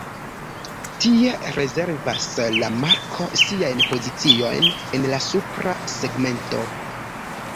Tie rezervas la marko siajn poziciojn en la supra segmento.